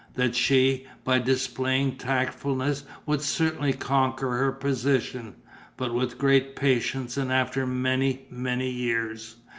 That she, by displaying tactfulness, would certainly conquer her position, but with great patience and after many, many years.